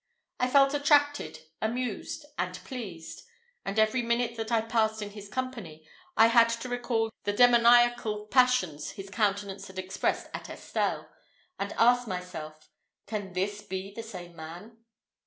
I felt attracted, amused, and pleased; and every minute that I passed in his company, I had to recall the demoniacal passions his countenance had expressed at Estelle, and ask myself Can this be the same man?